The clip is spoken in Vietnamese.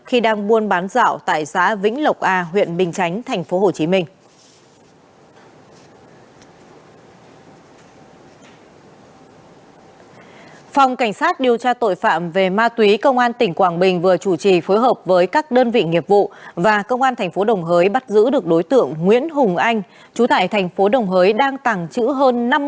khi đang buôn bán rạo tại xã vĩnh lộc a huyện bình chánh thành phố hồ chí minh